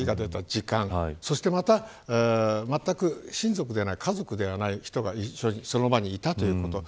そしてまた親族ではない人が家族ではない人がその場にいたということ。